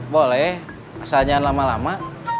boleh asal jangan lama lama